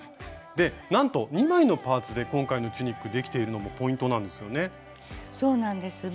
でなんと２枚のパーツで今回のチュニックできているのもポイントなんですよね。